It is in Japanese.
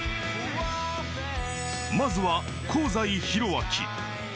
まずは香西宏昭。